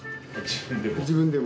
自分でも？